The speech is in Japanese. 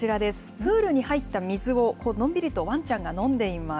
プールに入った水を、のんびりとワンちゃんが飲んでいます。